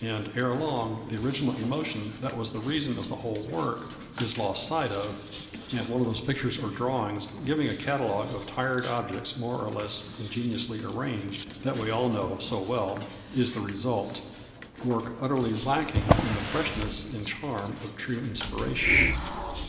And ere long the original emotion that was the reason of the whole work is lost sight of, and one of those pictures or drawings giving a catalogue of tired objects more or less ingeniously arranged (that we all know so well) is the result work utterly lacking in the freshness and charm of true inspiration.